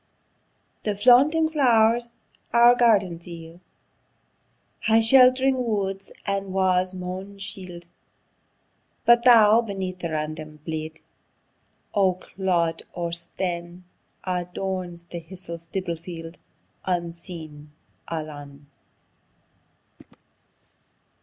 The flaunting flow'rs our gardens yield, High shelt'ring woods and wa's maun shield; But thou, beneath the random bield O' clod or stane, Adorns the histie stibble field, Unseen, alane.